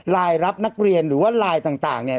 รายรับนักเรียนหรือว่าไลน์ต่างเนี่ย